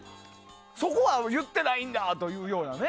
そこは言ってないんだというようなね。